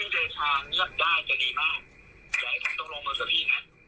คือถ้าพี่เจชาเงียบได้จะดีมากอย่าให้เขาต้องลงมือกับพี่นะ